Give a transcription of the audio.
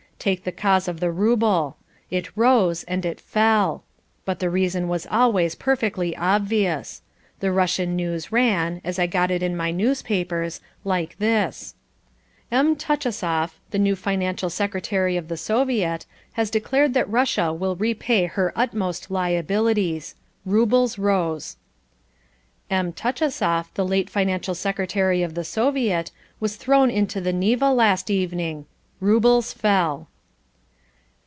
Take the case of the rouble. It rose and it fell. But the reason was always perfectly obvious. The Russian news ran, as I got it in my newspapers, like this: "M. Touchusoff, the new financial secretary of the Soviet, has declared that Russia will repay her utmost liabilities. Roubles rose." "M. Touchusoff, the late financial secretary of the Soviet, was thrown into the Neva last evening. Roubles fell."